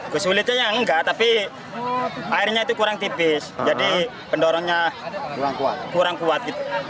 kesulitan ya enggak tapi airnya itu kurang tipis jadi pendorongnya kurang kuat